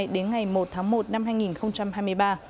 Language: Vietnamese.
đến ngày một tháng một năm hai nghìn hai mươi ba